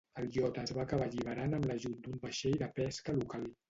El iot es va acabar alliberant amb l'ajut d'un vaixell de pesca local.